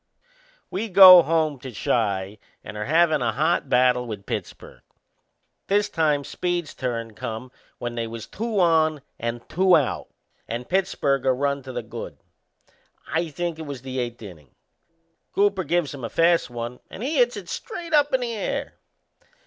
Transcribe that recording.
We go home to Chi and are havin' a hot battle with Pittsburgh. This time Speed's turn come when they was two on and two out, and Pittsburgh a run to the good I think it was the eighth innin'. Cooper gives him a fast one and he hits it straight up in the air.